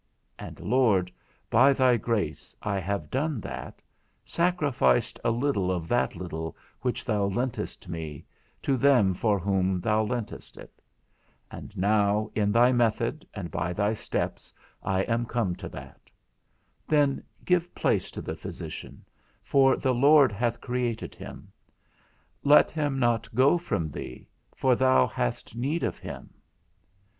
And, Lord, by thy grace, I have done that, sacrificed a little of that little which thou lentest me, to them for whom thou lentest it: and now in thy method, and by thy steps, I am come to that, Then give place to the physician, for the Lord hath created him; let him not go from thee, for thou hast need of him.